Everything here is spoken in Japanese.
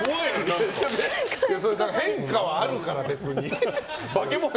変化はあるから、別に。